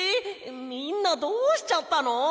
みんなどうしちゃったの？